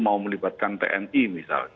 mau melibatkan tni misalnya